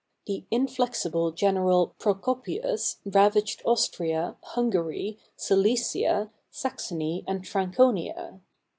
The inflexible general Procopius ravaged Austria, Hungary, Silesia, Sax ony, and Franconia.